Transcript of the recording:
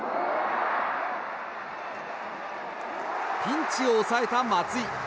ピンチを抑えた松井。